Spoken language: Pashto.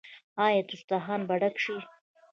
آیا دسترخان به ډک شي؟